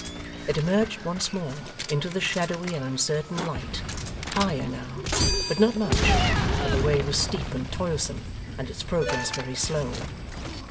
It emerged once more, into the shadowy and uncertain light higher now, but not much, for the way was steep and toilsome, and its progress very slow.